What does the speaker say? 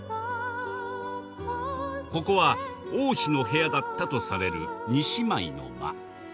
ここは王妃の部屋だったとされる二姉妹の間。